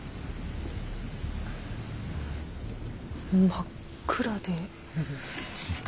真っ暗で。